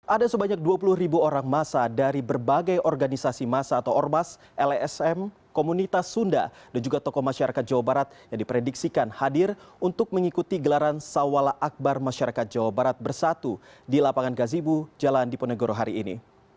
ada sebanyak dua puluh ribu orang masa dari berbagai organisasi masa atau ormas lsm komunitas sunda dan juga tokoh masyarakat jawa barat yang diprediksikan hadir untuk mengikuti gelaran sawala akbar masyarakat jawa barat bersatu di lapangan gazibu jalan diponegoro hari ini